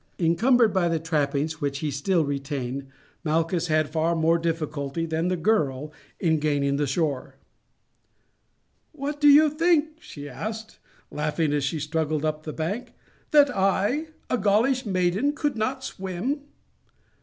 Encumbered by the trappings which he still retained, Malchus had far more difficulty than the girl in gaining the shore. "What, did you think," she asked, laughing as he struggled up the bank, "that I, a Gaulish maiden, could not swim?"